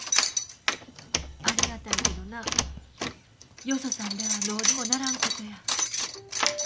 ありがたいけどなよそさんではどうにもならんことや。